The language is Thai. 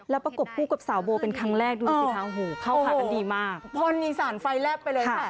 แล้วประกบผู้กับสาวโบว์เป็นครั้งแรกดูสิค่ะเข้าผ่ากันดีมาก